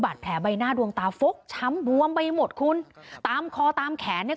แผลใบหน้าดวงตาฟกช้ำบวมไปหมดคุณตามคอตามแขนเนี่ย